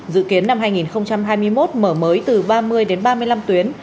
dự kiến năm hai nghìn hai mươi một mở mới từ ba mươi đến ba mươi năm tuyến